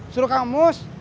suruh kang mus